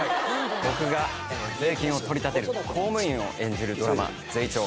僕が税金を取り立てる公務員を演じるドラマ『ゼイチョー』。